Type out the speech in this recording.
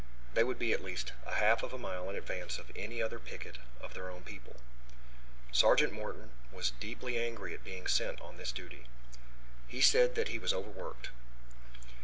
They would be at least a half of a mile in advance of any other picket of their own people. Sergeant Morton was deeply angry at being sent on this duty. He said that he was over worked.